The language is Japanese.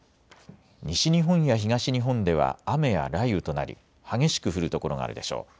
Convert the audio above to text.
西日本や東日本では雨や雷雨となり激しく降る所があるでしょう。